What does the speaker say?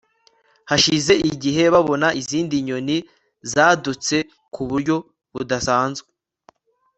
hashize igihe, babona izindi nyoni zadutse ku buryo budasanzwe